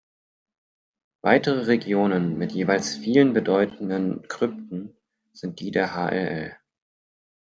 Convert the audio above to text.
Weitere Regionen mit jeweils vielen bedeutenden Krypten sind die der hll.